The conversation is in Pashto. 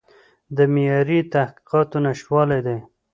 د معیاري تحقیقاتو نشتوالی دی.